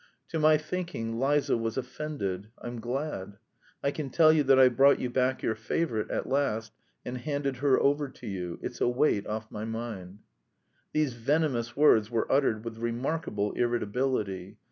To my thinking Liza was offended. I'm glad. I can tell you that I've brought you back your favourite at last and handed her over to you; it's a weight off my mind." These venomous words were uttered with remarkable irritability.